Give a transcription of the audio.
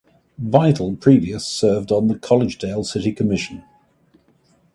Vital previous served on the Collegedale city commission.